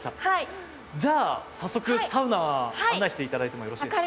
じゃあ早速サウナ案内して頂いてもよろしいですか。